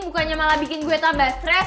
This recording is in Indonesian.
bukannya malah bikin gue tambah stress